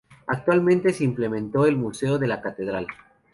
Actualmente se implementó el Museo de la Catedral.